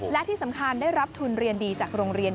และที่สำคัญได้รับทุนเรียนดีจากโรงเรียน